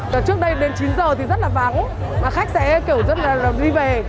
trước đây đến chín h thì rất là vắng mà khách sẽ kiểu rất là đi về